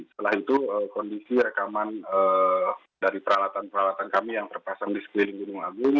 setelah itu kondisi rekaman dari peralatan peralatan kami yang terpasang di sekeliling gunung agung